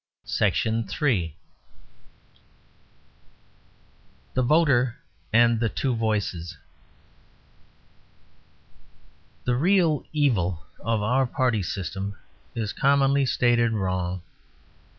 Perhaps there is. THE VOTER AND THE TWO VOICES The real evil of our Party System is commonly stated wrong.